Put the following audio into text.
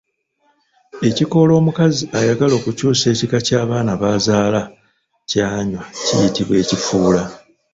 Ekikoola omukazi ayagala okukyusa ekika ky’abaana b’azaala ky'anywa kiyitibwa ekifuula.